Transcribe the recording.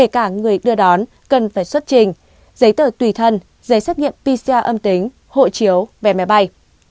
cả người đưa đón cần phải xuất trình giấy tờ tùy thân giấy xét nghiệm pcr âm tính hộ chiếu về máy bay